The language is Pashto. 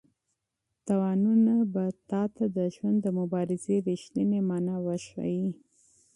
تاوانونه به تا ته د ژوند د مبارزې رښتینې مانا وښيي.